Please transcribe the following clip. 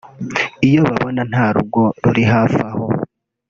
iyo babona nta rugo ruri hafi aho